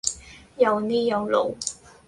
又呢又路